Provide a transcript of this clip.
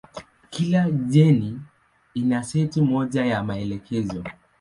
Kila jeni ina seti moja ya maelekezo.